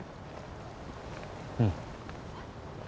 うん。